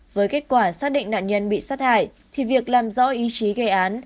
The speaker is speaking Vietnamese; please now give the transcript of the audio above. với kết quả xác định nạn nhân bị sát hại thì việc làm rõ ý chí gây án